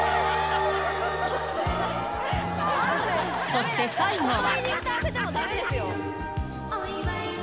そして最後は。